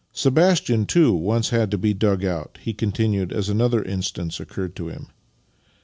Sebastian, too, once had to be dug out," he continued as another instance occurred to him.